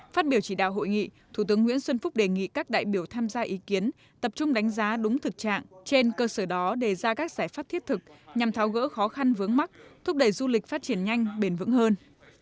phát biểu chỉ đạo hội nghị thủ tướng nguyễn xuân phúc đề nghị các đại biểu tham gia ý kiến tập trung đánh giá đúng thực trạng trên cơ sở đó đề ra các giải pháp thiết thực nhằm tháo gỡ khó khăn vướng mắt thúc đẩy du lịch phát triển nhanh bền vững hơn